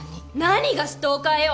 何がストーカーよ！